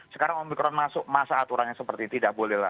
sekarang omikron masuk masa aturannya seperti tidak boleh lah